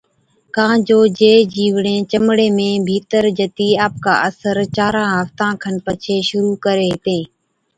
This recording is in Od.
ڪان جو جين جِيوڙين چمڙِي ۾ ڀِيتر جتِي آپڪا اثر چارا هفتا کن پڇي شرُوع ڪرين هِتين۔